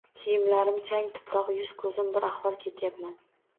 Kiyimlarim chang-tuproq, yuz-koʻzim bir ahvol ketyapman.